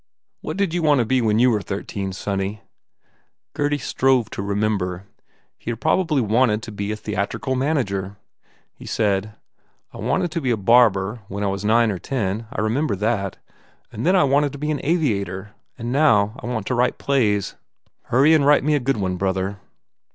"What did you want to be when you were thir teen, sonny?" Gurdy strove to remember. He had probably wanted to be a theatrical manager. He said, "I wanted to be a barber when I was nine or ten, I remember that. And then I wanted to be an aviator and now I want to write plays ..." "Hurry and write me a good one, brother."